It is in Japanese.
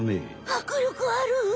はくりょくある！